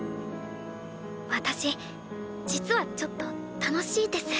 私実はちょっと楽しいです。